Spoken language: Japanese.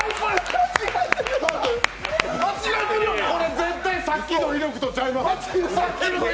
絶対さっきの威力と違います。